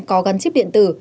có gắn chip điện tử